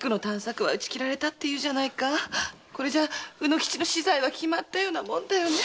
これじゃ卯之吉の死罪は決まったようなもんだよ。